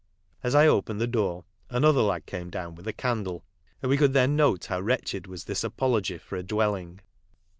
As I opened the door another lad came down with a candle, and we could then note how wretched was this apology for a dwelling.